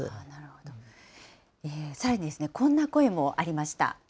さらにこんな声もありました。